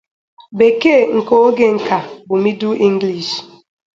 Bekee nke oge nka bụ "Middle English".